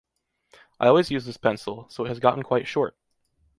I always use this pencil, so it has gotten quite short.